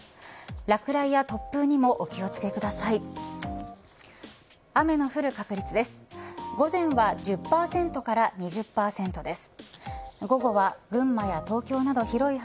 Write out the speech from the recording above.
落雷や突風にもお気をつけください。